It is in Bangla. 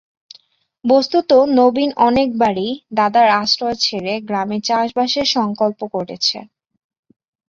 বস্তত নবীন অনেকবারই দাদার আশ্রয় ছেড়ে গ্রামে চাষবাসের সংকল্প করেছে।